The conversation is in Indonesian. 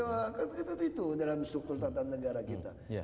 ya kan kita itu dalam struktur tata negara kita